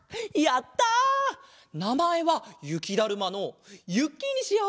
なまえはゆきだるまのゆっきーにしよう。